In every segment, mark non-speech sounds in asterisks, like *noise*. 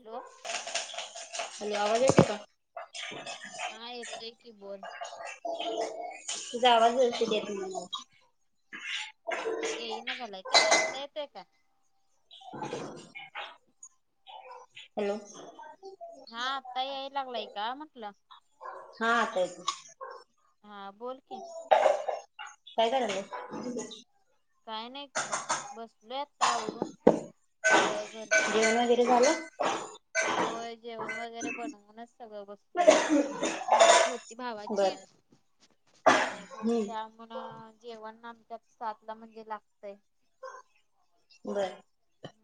Hello, hello, आवाज येतेय का? हा येतोय की बोल जावा तन किती यत तुम्हाला? ये इन जालाय का? आत्ता येतोय का? *inaudible* हॅलो, हा, आता याय लागलाय का म्हंटलं? हा आता येतो. हा बोल की, काय कराल्यास? काय नाही बग, बसलोय आता आवरून. सगळं घरचं जेवण वगैरे झालं. होय, जेवण वगैरे बनवूनच सगळं बर बसलय बघ. नाईट होती भावाची. नाईट होती, हम्म त्या म्हण जेवण ना सात ला म्हणजे लागतय. बर.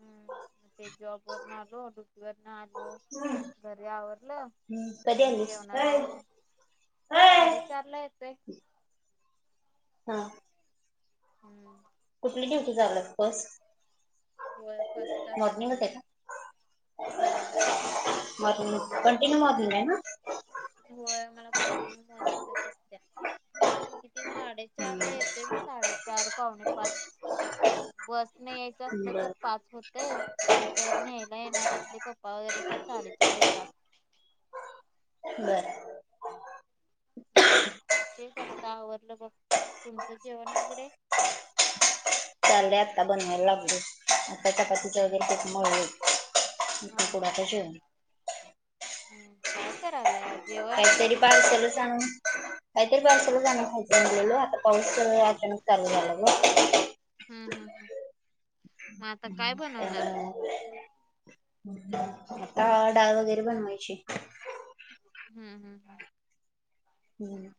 हम्म, मी ते जॉब वर न आलो, गरदी आलो, घरी आवरल हम्म कधी आणि आलीस? जेवणाला आवर हा साडेचार ला येतोय. हा, हम्, पास, होय फस्ट असते माझी, होय. मॉर्निंग कंटिन्यू मॉर्निंग आहे ना? होय, मला कंटिन्यू मॉर्निंगच असत्या,, किती? साडेचार ला हम्म येतोय, मी साडेचार पावणे पाच. बस न यायचं असलं बर तर पाच होतय,, नाही तरर न्यायला येणार असली पप्पा वगैरे तर साडेचार होतात. बरं, हम्, तेच आत्ता आवरलं बघ, तुमचं जेवण वगैरे *unintelligible* चाललय,, आता बनवायला लागलोय. चपातीच वगैरे हम्म पिठ मळलोय,, हा इतन पुुड हा आता हा हा जेवण. हम्म काय करालाय आज? काहीतरी पावसाला सांगू. काहीतरी पावसाला आणुन खायच मनलेलो, आता पाऊस अचानक चालू झाला ग. हम्म, हम्, हम् मग आता काय बनवणार? त्यामुळं आता डाळ वगैरे बनवायची. हम्म, हम्म. हो ना.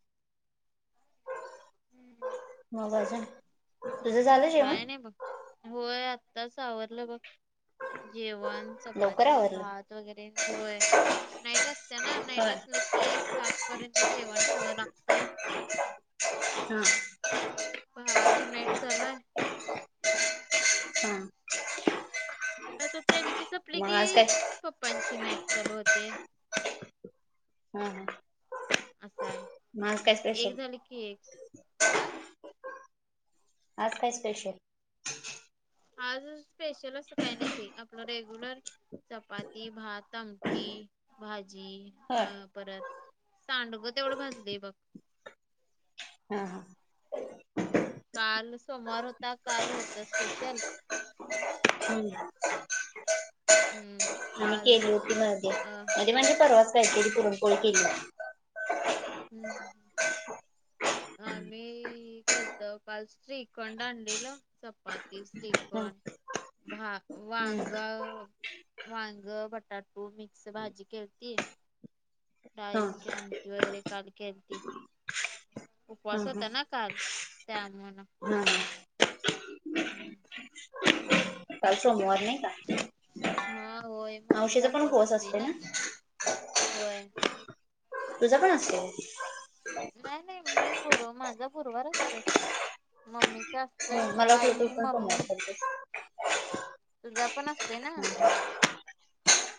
हम्म. मजाच्य काय नाही बघ, होय आताच आवरलं बघ जेवण. लवकर चपाती आवरलं भात वगैरे होय. नाईट असते ना. नाईट होय असलं कि सात पर्यंत जेवण सगळं लागतय. हम्म. भावाची नाहीईडचला. हा आता त्यांचीच आपली मग आज की काय पप्पांची नाईट. चालू होते. हा ह. असय. एक झाली की एक अ? आज काय स्पेशल? आज स्पेशल असं काही नाही, बाई आपलं रेग्युलर. चपाती भात अंमटी भाजी होय अ हा परत सांडगं तेवढं भाजलेय बघ. हा काल सोमवार होता काल होत स्पेशल. हम्म हम्म. काल केली होती. मध्ये अ मध्ये म्हणजे परवा कारी पुरणपोळ केली. हम्म हम् हम्. आम्ही केलंत काल श्रीखंडांडीला चपाती हा श्रीखंड. भ हम्म वांग वांग बटाटू मिक्स भाजी केलती. हा राईची हा आमटी वगैरे काल केलती. उपवास हा होता ना काल त्यामुळे. हा हा *unintelligible* काल सोमवार नाही का? हा होय. मम्मी तर मावशीचा पण उपवास असते असतोय ना होय. तूझा पण असतो? नाही नाही मी गुर माझा गुरुवार असतोय मम्मी स्त हो मला वाटलं तू आई पण सोमवार मम्मी करतेस. तुझा पण असत ना?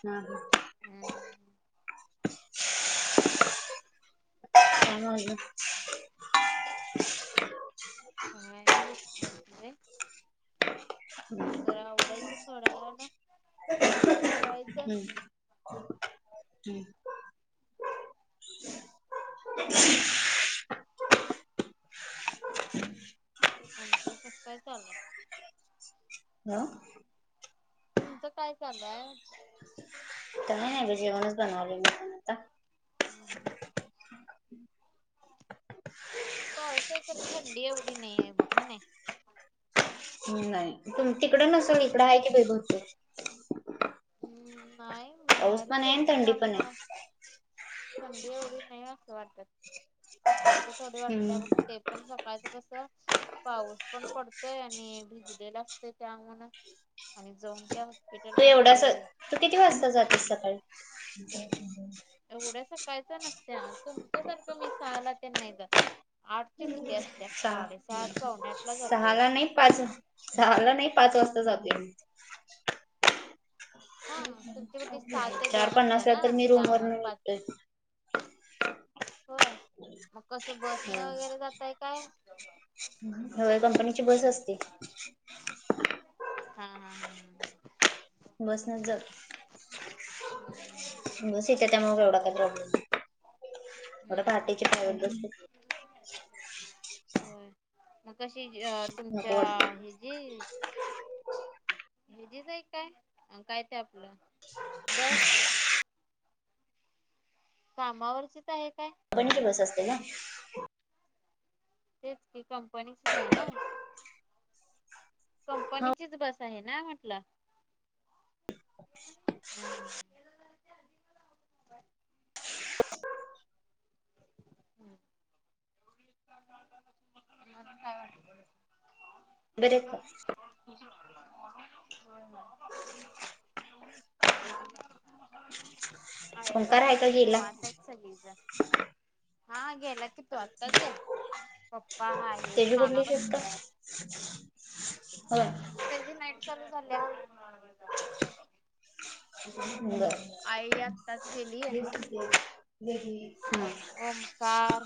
हा हा हम्. *unintelligible* हा बले. घर आवडायचं थोडा वेळान जेवायचं. हम्म हम्म. आमचं कस काय चाललंय? हो तुमचं काय लंय वाटत? काय *unintelligible* *unintelligible* पाऊस आहे खर थंडी एवढी नाही आहे बघा नाही. तु तिकड नसेल इकड आहे की बै. हम्म नाय. पाऊस पण आहे. आणि थंडी पण आहे. थंडी एवढी नाही असं वाटत. सकाळच थोडी वाटते हम्म बघ ते पण सका काय तर कस पाऊस पण पडतोय आणि भिजलेला असत त्यामु आणि जाऊन त्या हॉस्पिटल म थोडसा तू किती वाजता जातेस सकाळी? एवढे सकाळी त नसते. तुमच्यासारखं मी सहा ला न ते नाही करत आठची असत्या सहा साडेसात पावणे आठला जातोय सहाला नाही, पाच सहाला नाही पाच वाजता जातो मी. हा तुमची कुठे सहा ते चार दोन असते पन्नास ला ना तर मी रूम त्यामुळे वरून पाच निटतोय. होय मग कसं बसणं निघतोय. वगैरे जातय काय? होय कंपनीची बस असते. हा, हा, हा, हा. बसनच जातो. बस येते एवढ हम्म. पहाटेच आहेच बस कुठली. *unintelligible* *unintelligible* होय मग कशी नको तुमच्या वाटते. हे जी हजीच आहे काय काय ते आपलं बस कामावरची पण बस असते ना, तेच कि कंपनीचीच आहे ना. हो कंपनीचीच बस आहे ना म्हटलं, हम्म हम् *inaudible* *inaudible* *inaudible* मग काय वाटलं, बर का. वाटत? *unintelligible* *unintelligible* आहेत बघ ओंकार आहे का गेला? निवांत आहेत सगळी जण हा हा गेला की तो आताच गेला पप पप्पा आहेत त्याची मामा कुठली शिफ्ट? बसल्यात, होय त्याझी नाईट ल्या *unintelligible* *unintelligible* *inaudible* सुंदर *unintelligible* ओमकार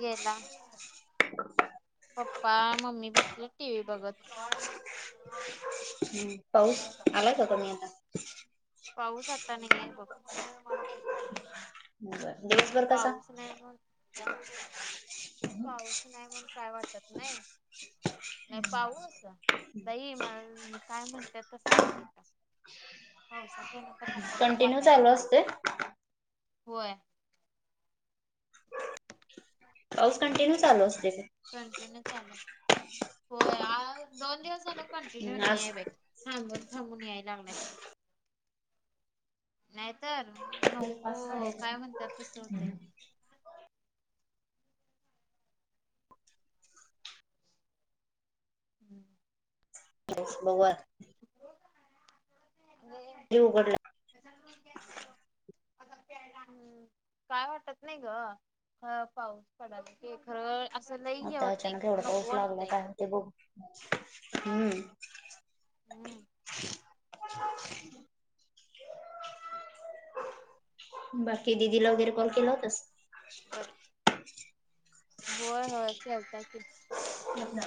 गेला. पप्पा मम्मी बसलेत टीव्ही बघत. हम्म पाऊस आलाय का कमी आता पाऊस आता नाही ए बघ बर दिवसभर कसा पाऊस नाही म्हण पाऊस नाही म्हण काय वाटत नाही. नाय पाऊस बाई महा काय म्हणतात तस आहे बघिता पावसाच्या नको नको कंटिन्यू वाटायला चालू लागले असते. होय. पाऊस कंटिन्यू चालू असते ते, कंटिन्यू चालू असतंय. होय दोन दिवस झाला कंटिन्यू नाही आज आहे बाई हा मग थांबून याय लागलाय नाहीतर, पाऊस नको काय काढायचा म्हणतात तस होतंय हम्म ब बघआ *unintelligible* *unintelligible* *unintelligible* *inaudible* *inaudible* म *unintelligible* *inaudible* हक *unintelligible* *unintelligible* *inaudible* आता हम्म काय वाटत नाही ग पाऊस पडाला की खरं, असं लई हे आता होतंय अचानक एवढा नको पाऊस लागला वाटतंय. काय होतंय बघू हम्म हम्म *inaudible* *inaudible* *unintelligible* बाकी दिदीला वगैरे कॉल केला होतास? *inaudible* बर *inaudible* होय होय केलता की, अच्छा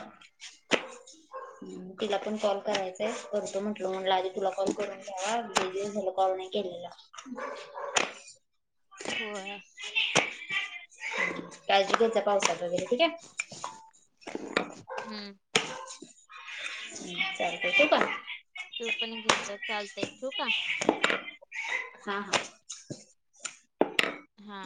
*inaudible* *inaudible* हम्म तिला पण कॉल करायचाय करतो म्हटलं म्हटलं आधी तुला कॉल करून घ्यावा लय दिवस झालं कॉल नाही. *unintelligible* *inaudible* *unintelligible* होय. काळजी घेत जा पावसात वगैरे ठीक आहे. हम्म हम् चालत ठेऊ काय, तू पण घेेत चालतय ठेवू का? हा हा हा